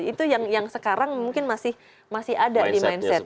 itu yang sekarang mungkin masih ada nih mindset